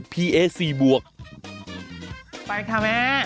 ไปค่ะแม่